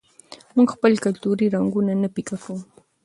موږ خپل کلتوري رنګونه نه پیکه کوو.